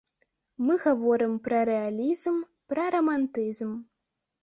Мы гаворым пра рэалізм, пра рамантызм.